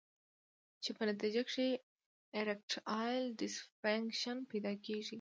چې پۀ نتېجه کښې ايريکټائل ډسفنکشن پېدا کيږي